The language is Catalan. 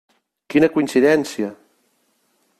Quina coincidència!